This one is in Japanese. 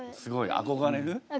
憧れる。